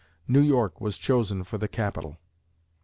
New York was chosen for the capital.